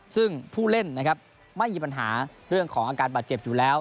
ซึ่งผู้เล่นนะครับไม่มีปัญหาเรื่องของอาการบาดเจ็บอยู่แล้ว